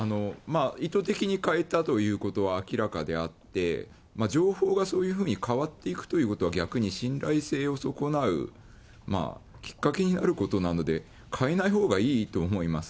意図的に変えたということは明らかであって、情報がそういうふうに変わっていくということは、逆に信頼性を損なうきっかけになることなので、変えないほうがいいと思います。